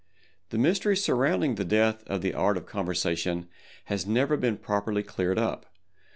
The mystery surrounding the death of the Art of Conversation has never been properly cleared up.